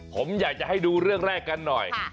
ผมอยากจะให้ดูเรื่องแรกกันหน่อย